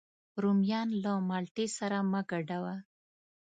رومیان له مالټې سره مه ګډوه